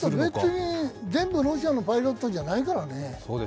あと、全部ロシアのパイロットじゃないからね。